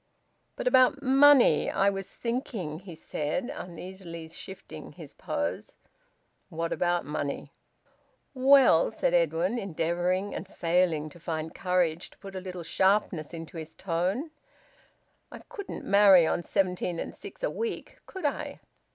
"But about money, I was thinking," he said, uneasily shifting his pose. "What about money?" "Well," said Edwin, endeavouring, and failing, to find courage to put a little sharpness into his tone, "I couldn't marry on seventeen and six a week, could I?"